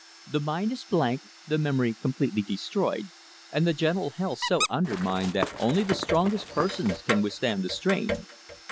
The mind is blank, the memory completely destroyed, and the general health so undermined that only the strongest persons can withstand the strain."